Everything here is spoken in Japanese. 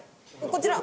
こちら！